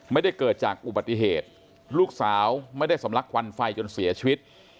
ไม่ได้เกิดจากอุบัติเหตุลูกสาวไม่ได้สำลักควันไฟจนเสียชีวิต